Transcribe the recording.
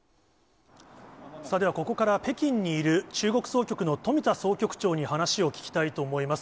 さあ、ではここから、北京にいる中国総局の富田総局長に話を聞きたいと思います。